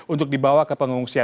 untuk dibawa ke pengungsian